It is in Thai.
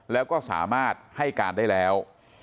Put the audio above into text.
แล้วก็สามารถให้การได้แล้ว